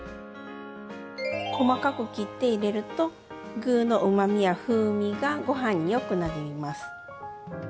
細かく切って入れると具のうまみや風味がごはんによくなじみます。